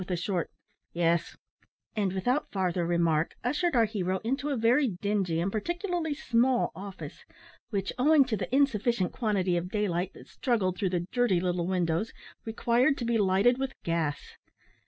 with a short "Yes," and, without farther remark, ushered our hero into a very dingy and particularly small office, which, owing to the insufficient quantity of daylight that struggled through the dirty little windows, required to be lighted with gas.